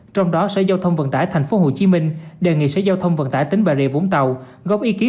trong đó sở giao thông vận tải tp hcm đề nghị sở giao thông vận tải tỉnh bà rịa vũng tàu góp ý kiến